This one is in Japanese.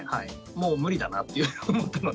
もう無理だなっていうのを思ったので。